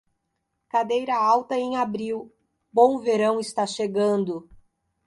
Cadeira alta em abril: bom verão está chegando.